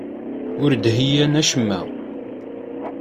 Ur d-heyyan acemma.